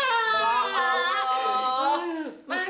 sudah sudah sudah